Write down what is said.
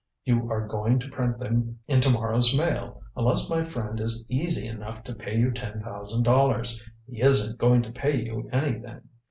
You are going to print them in to morrow's Mail unless my friend is easy enough to pay you ten thousand dollars. He isn't going to pay you anything.